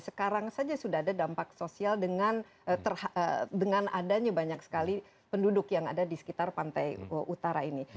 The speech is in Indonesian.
sekarang saja sudah ada dampak sosial dengan adanya banyak sekali penduduk yang ada di sekitar pantai utara ini